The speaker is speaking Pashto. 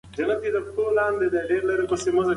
که هوا سړه شي نو د انګورو تاکونه به زیانمن شي.